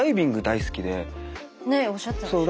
ねっおっしゃってましたね。